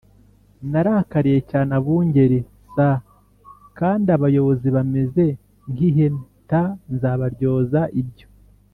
Narakariye cyane abungeri s kandi abayobozi bameze nk ihene t nzabaryoza ibyo